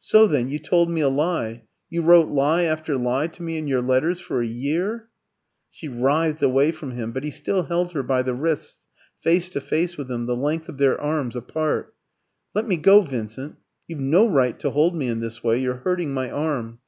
"So, then, you told me a lie? You wrote lie after lie to me in your letters for a year?" She writhed away from him, but he still held her by the wrists, face to face with him, the length of their arms apart. "Let me go, Vincent! You've no right to hold me in this way. You're hurting my arm!"